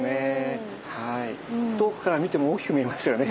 遠くから見ても大きく見えますよね